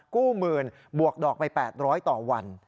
หมื่นบวกดอกไป๘๐๐ต่อวัน